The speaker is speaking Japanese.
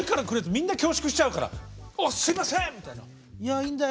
みんな恐縮しちゃうから「あっすいません」みたいな「いやいいんだよ」